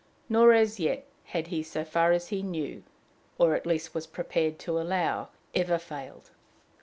Nor as yet had he, so far as he knew, or at least was prepared to allow, ever failed.